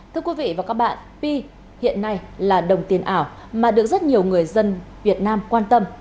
thưa quý vị và các bạn p hiện nay là đồng tiền ảo mà được rất nhiều người dân việt nam quan tâm